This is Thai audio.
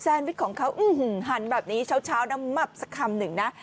วิกของเขาหันแบบนี้เช้าน้ำมับสักคำหนึ่งนะ